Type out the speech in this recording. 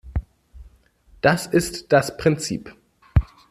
Das ist das Prinzip.